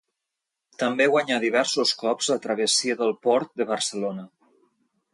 També guanyà diversos cops la Travessia del Port de Barcelona.